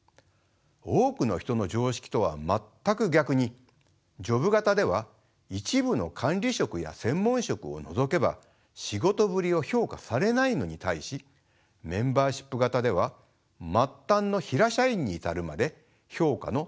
多くの人の常識とは全く逆にジョブ型では一部の管理職や専門職を除けば仕事ぶりを評価されないのに対しメンバーシップ型では末端のヒラ社員に至るまで評価の対象となります。